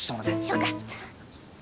よかった！